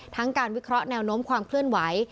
ทั้งการวิเคราะห์แนวโน้มความเคลื่อนไหว